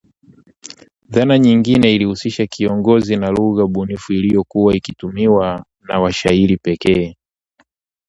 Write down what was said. Dhana nyingine ilihusisha Kingozi na lugha bunifu iliyokuwa ikitumiwa na washairi pekee